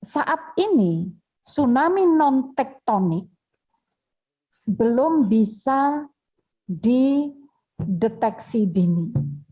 saat ini tsunami non tektonik belum bisa dideteksi dini